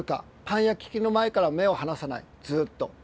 パン焼き器の前から目を離さないずっと。